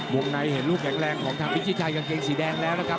ในเห็นลูกแข็งแรงของทางพิชิชัยกางเกงสีแดงแล้วนะครับ